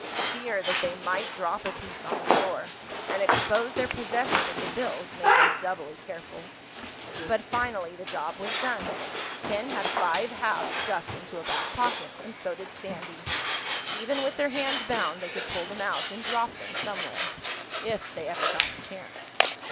Fear that they might drop a piece on the floor, and expose their possession of the bills, made them doubly careful. But finally the job was done. Ken had five halves stuffed into a back pocket, and so did Sandy. Even with their hands bound they could pull them out and drop them somewhere—if they ever got the chance.